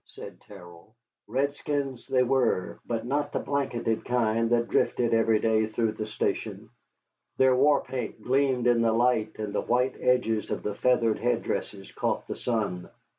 said Terrell. Redskins they were, but not the blanketed kind that drifted every day through the station. Their war paint gleamed in the light, and the white edges of the feathered head dresses caught the sun.